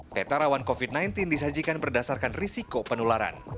peta rawan covid sembilan belas disajikan berdasarkan risiko penularan